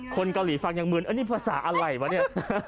คนเกาหลีฟังอย่างเมืองเอ้ยนี่ภาษาอะไรวะเนี่ย